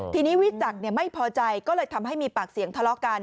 ทีนี้วิจักรไม่พอใจก็เลยทำให้มีปากเสียงทะเลาะกัน